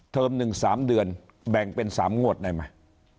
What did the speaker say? เทอมหนึ่ง๓เดือนแบ่งเป็น๓งวดได้ไหม